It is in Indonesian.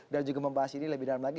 dan juga membahas ini lebih dalam lagi